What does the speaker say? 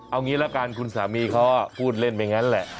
เอางี้ละกันคุณสามีเขาพูดเล่นไปงั้นแหละ